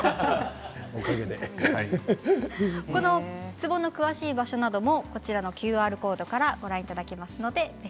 ツボの詳しい場所などもＱＲコードからご覧ください。